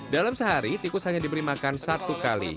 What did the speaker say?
dalam sehari tikus hanya diberi makan satu kali